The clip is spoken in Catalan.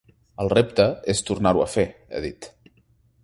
El repte és tornar-ho a fer, ha dit.